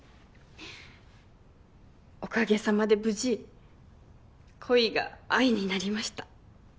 おかげさまで無事恋が愛になりました。